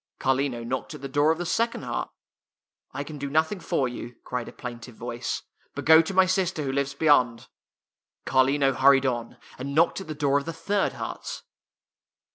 Car lino knocked at the door of the second hut. " I can do nothing for you," cried a plain tive voice. " But go to my sister who lives beyond." Carlino hurried on, and knocked at the door of the third hut.